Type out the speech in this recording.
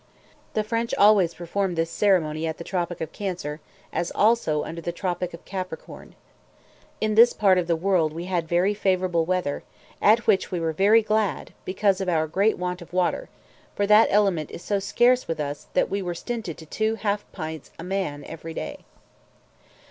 The French always perform this ceremony at the tropic of Cancer, as also under the tropic of Capricorn. In this part of the world we had very favourable weather, at which we were very glad, because of our great want of water; for that element is so scarce with us, that we were stinted to two half pints a man every day.